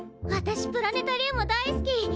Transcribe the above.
わたしプラネタリウム大好き！